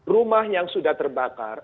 rumah yang sudah terbakar